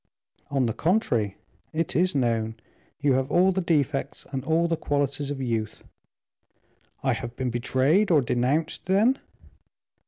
"On the contrary, it is known; you have all the defects and all the qualities of youth." "I have been betrayed or denounced, then?"